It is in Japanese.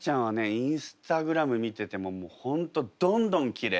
インスタグラム見ててももう本当どんどんきれい。